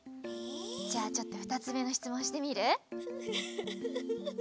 じゃあちょっとふたつめのしつもんしてみる？